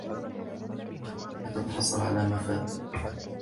لا تتحسر على ما فات.